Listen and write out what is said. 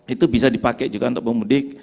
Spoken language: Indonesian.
itu bisa dipakai juga untuk pemudik